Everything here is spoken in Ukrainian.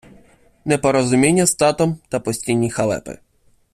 непорозуміння з татом та постійні халепи